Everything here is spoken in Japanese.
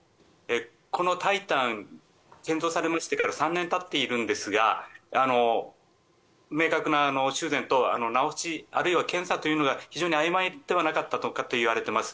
この「タイタン」建造されてから３年たっているんですが明確な修繕等直し、あるいは検査というのが非常にあいまいではなかったかといわれています。